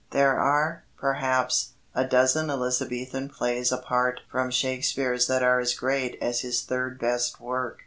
There are, perhaps, a dozen Elizabethan plays apart from Shakespeare's that are as great as his third best work.